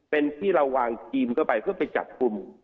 เป็นที่เราวางทีมเข้าไปเพื่อไปจับกลุ่ม